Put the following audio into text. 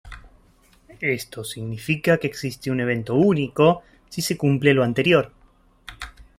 Esto significa que existe un evento único si se cumple lo anterior.